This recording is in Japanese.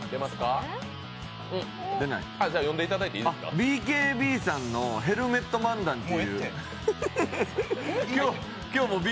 ＢＫＢさんのヘルメット漫談っていう